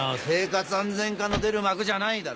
「生活安全課の出る幕じゃない！」